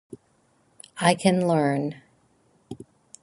I can learn.